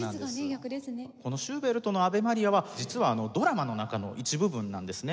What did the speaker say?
このシューベルトの『アヴェ・マリア』は実はドラマの中の一部分なんですね。